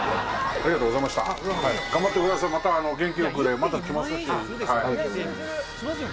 ありがとうございます。